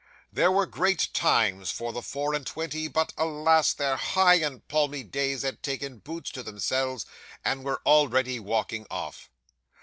'Those were great times for the four and twenty; but, alas! their high and palmy days had taken boots to themselves, and were already walking off.